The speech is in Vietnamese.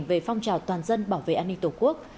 về phong trào toàn dân bảo vệ an ninh tổ quốc